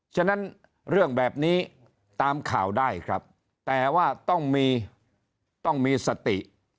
ฉะนั้นเรื่องแบบนี้ตามข่าวได้ครับแต่ว่าต้องมีต้องมีสติ